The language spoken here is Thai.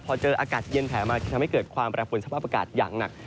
พอเจออากาศเย็นแผลมาจะทำให้เกิดความแปรปวนสภาพอากาศอย่างหนัก